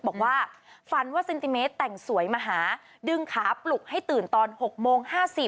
บอกว่าฝันว่าเซนติเมตรแต่งสวยมาหาดึงขาปลุกให้ตื่นตอน๖โมง๕๐